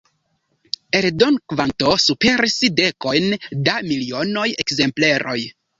Eldonkvanto superis dekojn da milionoj ekzempleroj.